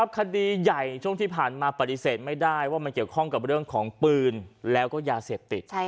คดีใหญ่ช่วงที่ผ่านมาปฏิเสธไม่ได้ว่ามันเกี่ยวข้องกับเรื่องของปืนแล้วก็ยาเสพติด